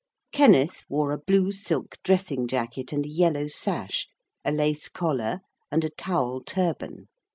Kenneth wore a blue silk dressing jacket and a yellow sash, a lace collar, and a towel turban.